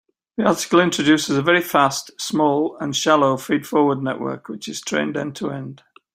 The article introduces a very fast, small, and shallow feed-forward network which is trained end-to-end.